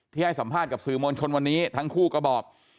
ให้สัมภาษณ์กับสื่อมวลชนวันนี้ทั้งคู่ก็บอก